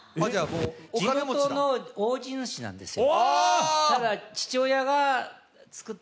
地元の大地主なんですよ。